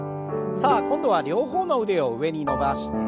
さあ今度は両方の腕を上に伸ばして。